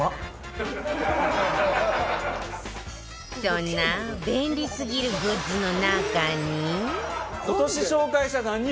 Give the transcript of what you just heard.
そんな便利すぎるグッズの中に